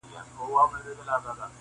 بزم دی پردی پردۍ نغمې پردۍ سندري دي.